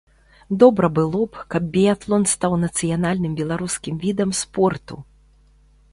Добра было б, каб біятлон стаў нацыянальным беларускім відам спорту!